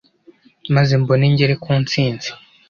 Maze mbone ngere ku ntsinzi